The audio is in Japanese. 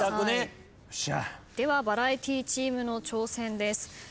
ではバラエティチームの挑戦です。